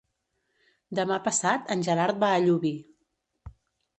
Demà passat en Gerard va a Llubí.